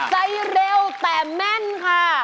ไซส์เร็วแต่แม่นค่ะ